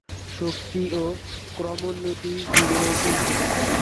শক্তি ও ক্রমোন্নতিই জীবনের চিহ্ন।